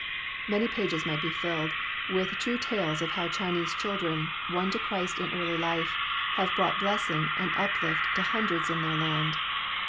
] Many pages might be filled with true tales of how Chinese children, won to Christ in early life, have brought blessing and uplift to hundreds in their land.